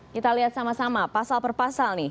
kita lihat sama sama pasal per pasal nih